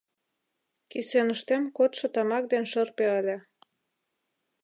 Кӱсеныштем кодшо тамак ден шырпе ыле.